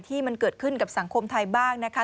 ที่มันเกิดขึ้นกับสังคมไทยบ้างนะคะ